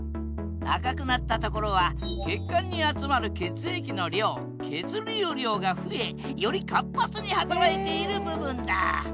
赤くなったところは血管に集まる血液の量血流量が増えより活発に働いている部分だ。